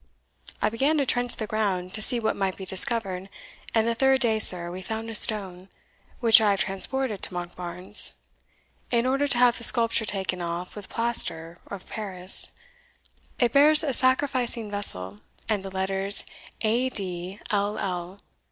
I began to trench the ground, to see what might be discovered; and the third day, sir, we found a stone, which I have transported to Monkbarns, in order to have the sculpture taken off with plaster of Paris; it bears a sacrificing vessel, and the letters A. D. L. L.